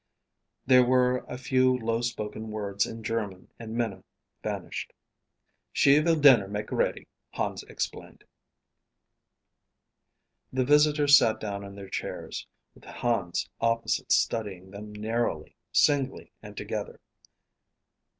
There were a few low spoken words in German and Minna vanished. "She will dinner make ready," Hans explained. The visitors sat down in their chairs, with Hans opposite studying them narrowly; singly and together.